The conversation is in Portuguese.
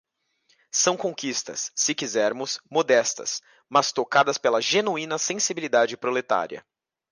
São conquistas, se quisermos, modestas, mas tocadas pela genuína sensibilidade proletária.